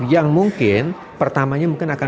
yang mungkin pertamanya mungkin akan